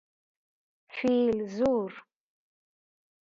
فیل زور